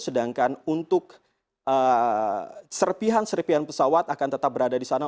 sedangkan untuk serpihan serpian pesawat akan tetap berada di sana